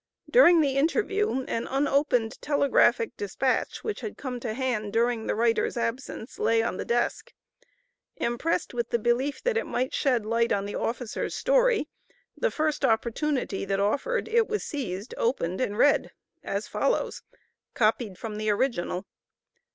During the interview an unopened telegraphic despatch which had come to hand during the writer's absence, lay on the desk. Impressed with the belief that it might shed light on the officer's story, the first opportunity that offered, it was seized, opened, and it read as follows: (Copied from the original.)